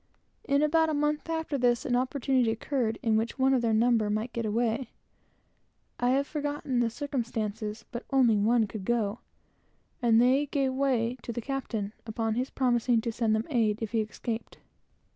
In about a month after this, an opportunity occurred by which one of their number might get away. I have forgotten the circumstances, but only one could go, and they yielded to the captain, upon his promising to send them aid if he escaped.